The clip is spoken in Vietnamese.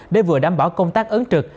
để vừa đảm bảo công tác ấn trực